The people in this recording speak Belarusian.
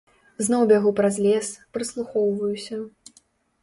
Зноў бягу праз лес, прыслухоўваюся.